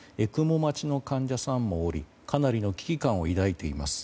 待ちの患者さんもおりかなりの危機感を抱いています。